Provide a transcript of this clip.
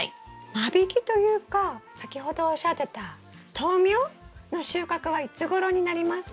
間引きというか先ほどおっしゃってた豆苗の収穫はいつごろになりますか？